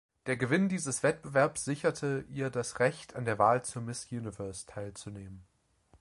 Der Gewinn dieses Wettbewerbs sicherte ihr das Recht, an der Wahl zur Miss Universe teilzunehmen.